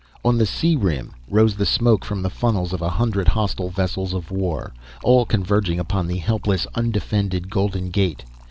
On the sea rim rose the smoke from the funnels of a hundred hostile vessels of war, all converging upon the helpless, undefended Golden Gate.